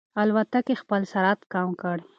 الوتکې خپل سرعت کم کړ.